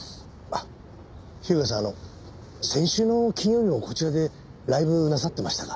日向さんあの先週の金曜日もこちらでライブなさってましたか？